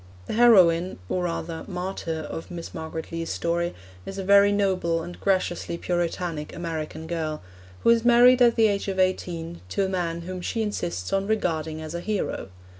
The heroine, or rather martyr, of Miss Margaret Lee's story is a very noble and graciously Puritanic American girl, who is married at the age of eighteen to a man whom she insists on regarding as a hero.